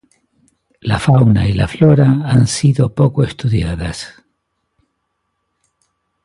La fauna y la flora han sido poco estudiadas.